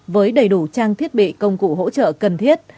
với đầy đủ trang thiết bị công cụ hỗ trợ cần thiết